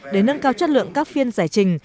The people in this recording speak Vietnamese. để nâng cao chất lượng các phiên giải trình